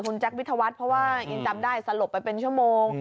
คุณแจ๊ควิทยาวัฒน์เพราะว่ายังจำได้สลบไปเป็นชั่วโมง